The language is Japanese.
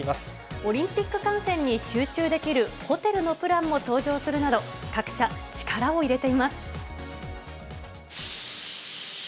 オリンピック観戦に集中できるホテルのプランも登場するなど、各社、力を入れています。